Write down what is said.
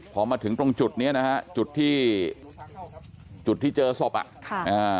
พอมาถึงตรงจุดเนี่ยนะฮะจุดที่เจอโซปะ